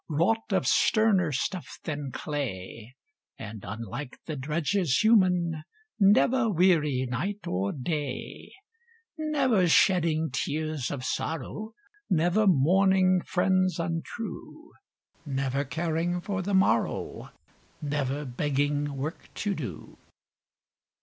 Wrought of sterner stuff than clay; And, unlike the drudges human, Never weary night or day; Never shedding tears of sorrow, Never mourning friends untrue, Never caring for the morrow, Never begging work to do.